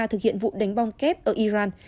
thực hiện vụ đánh bong kép ở iran